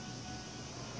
え？